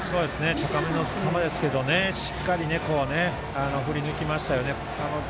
高めの球ですけどしっかり振り抜きましたよね。